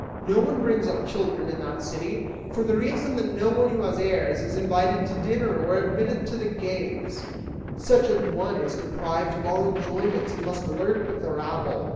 No one brings up children in that city, for the reason that no one who has heirs is invited to dinner or admitted to the games; such an one is deprived of all enjoyments and must lurk with the rabble.